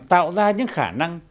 tạo ra những khả năng